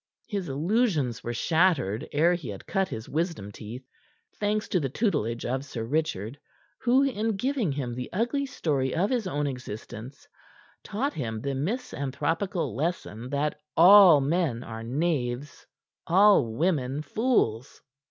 His illusions were shattered ere he had cut his wisdom teeth, thanks to the tutelage of Sir Richard, who in giving him the ugly story of his own existence, taught him the misanthropical lesson that all men are knaves, all women fools.